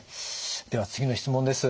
では次の質問です。